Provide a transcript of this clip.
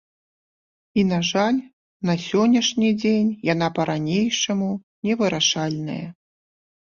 І, на жаль, на сённяшні дзень яна па-ранейшаму невырашальная.